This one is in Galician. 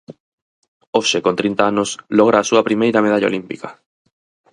Hoxe con trinta anos logra a súa primeira medalla olímpica.